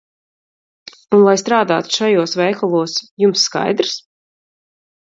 Un lai strādātu šajos veikalos, jums skaidrs?